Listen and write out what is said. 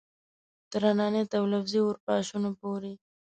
تر انانیت او لفظي اورپاشنو پورې.